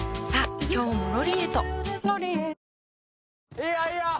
いいよいいよ